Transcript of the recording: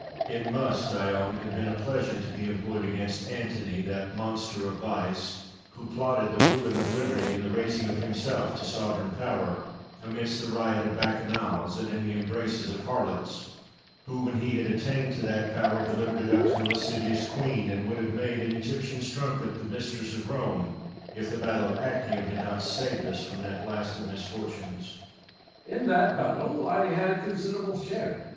Cato. It must, I own, have been a pleasure to be employed against Antony, that monster of vice, who plotted the ruin of liberty, and the raising of himself to sovereign power, amidst the riot of bacchanals, and in the embraces of harlots, who, when he had attained to that power, delivered it up to a lascivious queen, and would have made an Egyptian strumpet the mistress of Rome, if the Battle of Actium had not saved us from that last of misfortunes. Messalla. In that battle I had a considerable share.